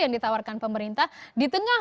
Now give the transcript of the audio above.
yang ditawarkan pemerintah di tengah